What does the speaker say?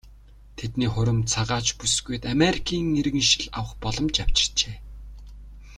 Тэдний хурим цагаач бүсгүйд Америкийн иргэншил авах боломж авчирчээ.